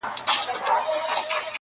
ټولنه د اصلاح اړتيا لري ډېر,